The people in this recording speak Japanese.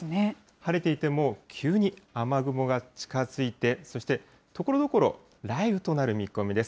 晴れていても、急に雨雲が近づいて、そしてところどころ、雷雨となる見込みです。